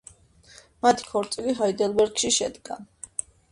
მათი ქორწილი ჰაიდელბერგში შედგა.